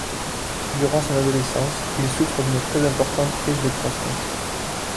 Durant son adolescence, il souffre d'une très importante crise de croissance.